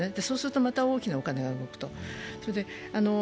そうするとまた大きなお金が動くと。